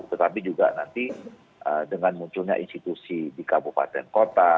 tetapi juga nanti dengan munculnya institusi di kabupaten kota